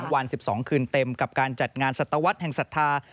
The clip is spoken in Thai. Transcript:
วัน๑๒คืนเต็มกับการจัดงานสัตวรรษแห่งศรัทธา